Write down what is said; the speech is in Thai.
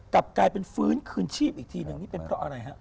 กลับกลายเป็นฟื้นคืนชีพอีกทีหนึ่งนี่เป็นเพราะอะไรฮะ